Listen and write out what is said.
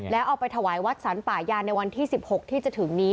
แล้วเอาไปถวายวัดสรรป่ายานในวันที่๑๖ที่จะถึงนี้